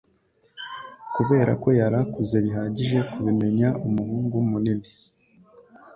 Kubera ko yari akuze bihagije kubimenya umuhungu munini